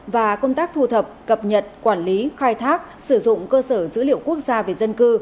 và công tác thu thập cập nhật quản lý khai thác sử dụng cơ sở dữ liệu quốc gia về dân cư